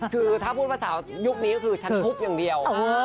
คือถ้าพูดภาษายุคนี้ก็คือฉันทุบอย่างเดียว